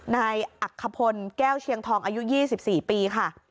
นายอักขพลแก้วเชียงทองอายุ๒๔ปีค่ะ